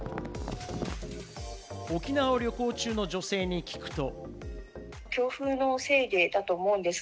沖縄を旅行中の女性に聞くと。